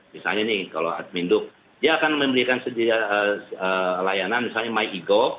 misalnya nih kalau admin duk dia akan memberikan layanan misalnya my ego